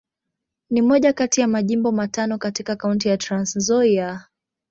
Ni moja kati ya Majimbo matano katika Kaunti ya Trans-Nzoia.